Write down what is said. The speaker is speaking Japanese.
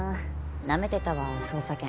なめてたわ捜査権。